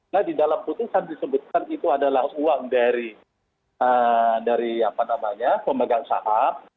nah di dalam puting saat disebutkan itu adalah uang dari pemegang sahab